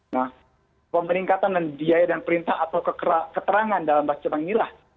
nah pemeringkatan dan biaya dan perintah atau keterangan dalam bahasa jepang inilah